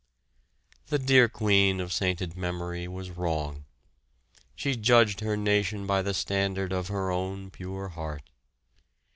The dear Queen of sainted memory was wrong. She judged her nation by the standard of her own pure heart.